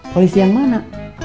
polisi yang mana